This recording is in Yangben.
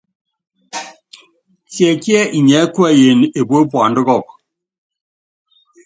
Tiɛkíɛ inyiɛ́ kuɛyini epue puanda kɔkɔ?